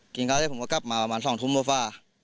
กินข้าวเท่าไหร่ผมก็กลับมาประมาณ๒ทุ่มเมื่อฟ้า